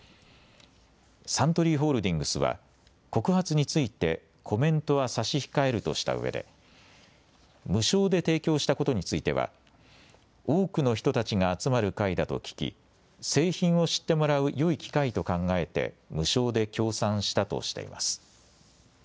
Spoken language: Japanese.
サントリーホールディングスは告発についてコメントは差し控えるとしたうえで無償で提供したことについては多くの人たちが集まる会だと聞き製品を知ってもらうよい機会と考えて無償で協賛したとしています。